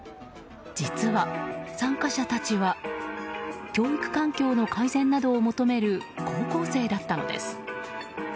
実は、参加者たちは教育環境の改善などを求める高校生だったのです。